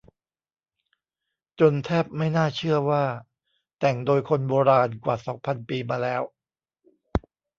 จนแทบไม่น่าเชื่อว่าแต่งโดยคนโบราณกว่าสองพันปีมาแล้ว